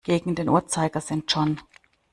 Gegen den Uhrzeigersinn, John.